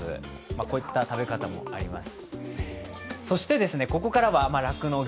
こういった食べ方もあります。